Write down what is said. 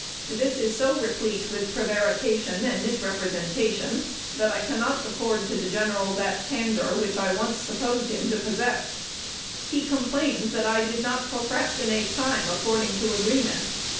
This is so replete with prevarication and misrepresentation, that I cannot accord to the General that candor which I once supposed him to possess. He complains that I did not procrastinate time according to agreement.